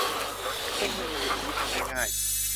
ซึ่งไม่มีในชีวิตจริงได้ง่าย